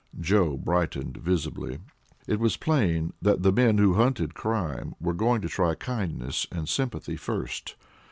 Joe brightened visibly. It was plain that the men who hunted crime were going to try kindness and sympathy first.